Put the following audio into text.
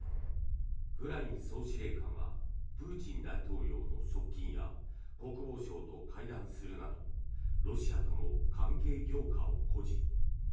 フライン総司令官はプーチン大統領の側近や国防相と会談するなどロシアとの関係強化を誇示。